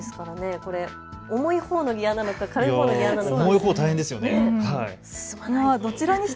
これ、重いほうのギアなのか、軽いほうのギアなのか。